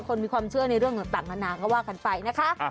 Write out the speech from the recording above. คนมีความเชื่อในเรื่องต่างนานาก็ว่ากันไปนะคะ